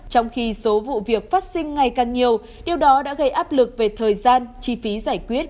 trong khi số vụ việc phát sinh ngày càng nhiều điều đó đã gây áp lực về thời gian